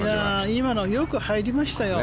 今のよく入りましたよ。